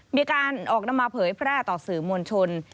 มีการออกนำมาเผยแพร่ต่อสื่อมวลชน